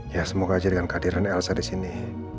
ya semoga aja dengan kehadiran elsa disini